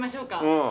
うん。